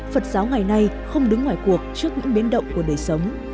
phật giáo ngày nay không đứng ngoài cuộc trước những biến động của đời sống